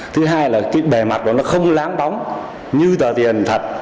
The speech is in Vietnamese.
thứ hai là cái bề mặt đấy nó không láng bóng như tờ tiền thật